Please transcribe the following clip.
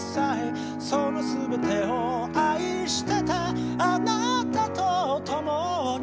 「そのすべてを愛してたあなたと共に」